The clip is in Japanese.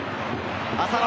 浅野。